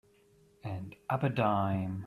And up a dime.